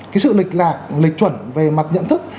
cái sự lịch lạc chuẩn về mặt nhận thức